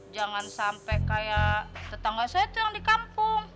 jangan sampai kayak tetangga saya itu yang di kampung